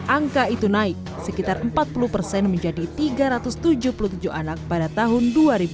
angka itu naik sekitar empat puluh persen menjadi tiga ratus tujuh puluh tujuh anak pada tahun dua ribu dua puluh